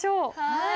はい。